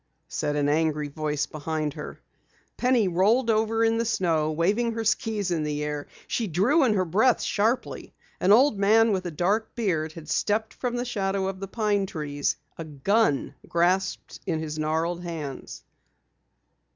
said an angry voice behind her. Penny rolled over in the snow, waving her skis in the air. She drew in her breath sharply. An old man with a dark beard had stepped from the shadow of the pine trees, a gun grasped in his gnarled hands!